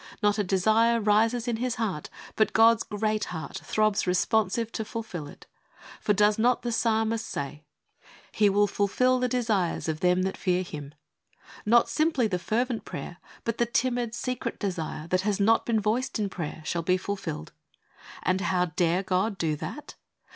Not a desire rises in his heart but God's great heart throbs responsive to fulfil it, for does not the Psalmist say, " He will fulfil the desires of them that fear 88 HEART TALKS ON HOLINESS. Not simply the fervent prayer, but the timid, secret desire that has not been voiced in prayer, shall be fulfilled. And how dare God do that